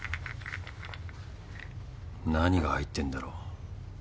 何が入ってんだろう。